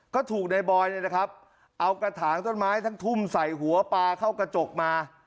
ก็ถูกในบอยเนี่ยนะครับเอากระถางต้นไม้ทั้งทุ่มใส่หัวปลาเข้ากระจกมา